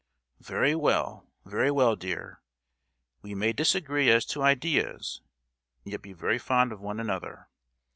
"Very well, very well, dear! we may disagree as to ideas and yet be very fond of one another.